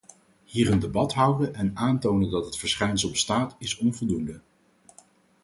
Hier een debat houden en aantonen dat het verschijnsel bestaat, is onvoldoende.